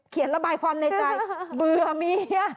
ระบายความในใจเบื่อเมีย